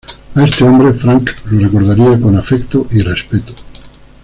A este hombre, Frank lo recordaría con afecto y respeto.